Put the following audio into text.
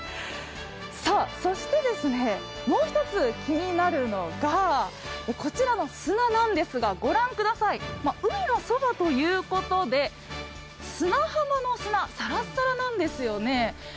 そしてもう一つ、気になるのがこちらの砂なんですが御覧ください、海のそばということで砂浜の砂、サラサラなんですよね。